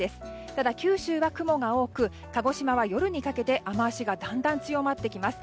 ただ、九州は雲が多く鹿児島は夜にかけて雨脚がだんだん強まってきます。